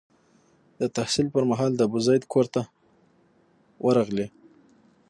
د تحصیل پر مهال د ابوزید کور ته ورغلی.